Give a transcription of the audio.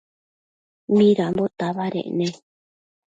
Midambo tabadec ne?